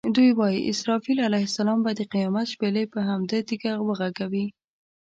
دوی وایي اسرافیل علیه السلام به د قیامت شپېلۍ پر همدې تیږه وغږوي.